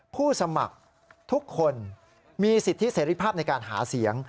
ผู้สมัครทุกคนมีสิทธิเสรีภาพในการหาเสียง